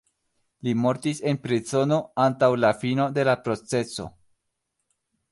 Li mortis en prizono antaŭ la fino de la proceso.